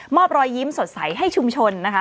อบรอยยิ้มสดใสให้ชุมชนนะคะ